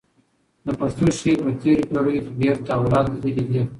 د پښتو شعر په تېرو پېړیو کې ډېر تحولات لیدلي دي.